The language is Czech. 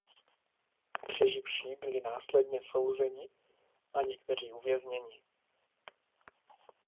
Přeživší byli následně souzeni a někteří uvězněni.